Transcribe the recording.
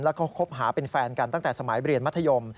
แล้วก็คบหาเป็นแฟนกันตั้งแต่สมัยเรียนมัธยม